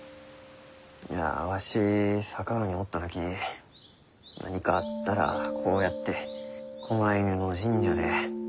いやわし佐川におった時何かあったらこうやって狛犬の神社で寝転びよった。